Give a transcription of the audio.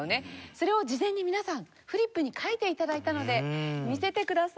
それを事前に皆さんフリップに書いて頂いたので見せてください。